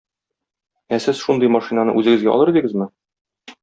Ә сез шундый машинаны үзегезгә алыр идегезме?